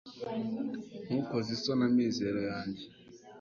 ntukoze isoni amizero yanjye